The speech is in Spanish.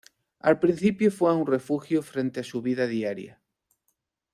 Al principio fue un refugio frente a su vida diaria.